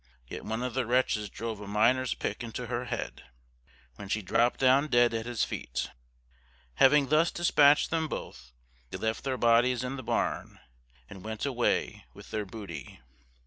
yet one of the wretches drove a Miner's pick into her head, when she dropped down dead at his feet. Having thus dispatched them both, they left their bodies in the barn, and went away with their booty.